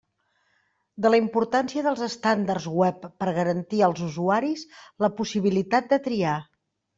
De la importància dels estàndards web per garantir als usuaris la possibilitat de triar.